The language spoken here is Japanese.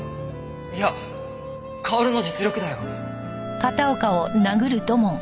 いや薫の実力だよ。